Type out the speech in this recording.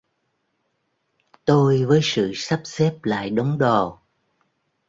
Tôi với Sự sắp xếp lại đống đồ